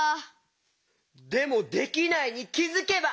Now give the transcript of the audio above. でも「できないに気づけば」？